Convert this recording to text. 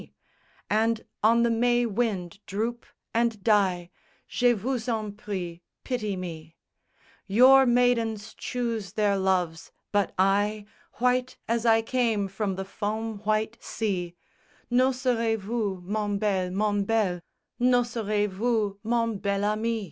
_ And on the May wind droop and die, Je vous en prie, pity me; Your maidens choose their loves, but I White as I came from the foam white sea, _N'oserez vous, mon bel, mon bel, N'oserez vous, mon bel ami?